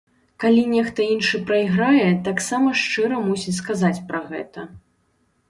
Калі нехта іншы прайграе, таксама шчыра мусіць сказаць пра гэта.